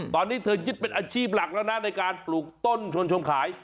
ตอนนี้เธอยึดเป็นอาชีพหลักแล้วนะในการปลูกต้นชวนชมขาย